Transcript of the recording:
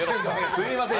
すみません。